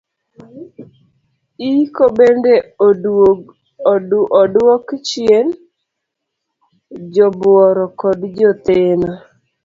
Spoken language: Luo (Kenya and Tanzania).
Iko bende oduok chien jobuoro kod jotheno.